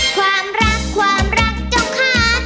ความรักความรักเจ้าค้า